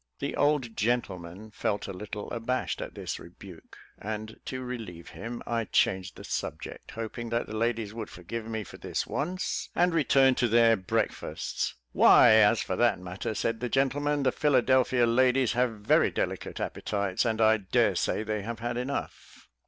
The old gentleman felt a little abashed at this rebuke, and, to relieve him, I changed the subject, hoping that the ladies would forgive me for this once, and return to their breakfasts. "Why, as for that matter," said the gentleman, "the Philadelphia ladies have very delicate appetites, and I dare say they have had enough."